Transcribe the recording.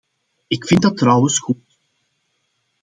Ik vind dat trouwens goed.